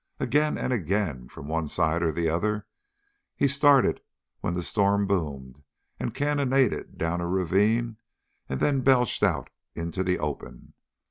Again and again, from one side or the other, he started when the storm boomed and cannonaded down a ravine and then belched out into the open.